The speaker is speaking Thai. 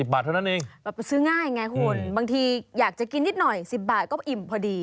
๑๐บาทเนี่ยครับซื้อง่ายไงคุณบางทีอยากจะกินนิดหน่อย๑๐บาทก็อิ่มพอดี